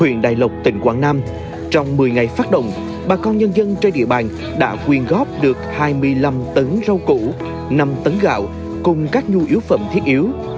huyện đại lộc tỉnh quảng nam trong một mươi ngày phát động bà con nhân dân trên địa bàn đã quyên góp được hai mươi năm tấn rau củ năm tấn gạo cùng các nhu yếu phẩm thiết yếu